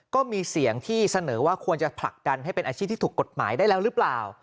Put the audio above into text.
ก็มีเสียงที่เสนอว่าควรจะผลักดันให้เป็นอาชีพที่ถูกกฎหมายได้แล้วหรือเปล่า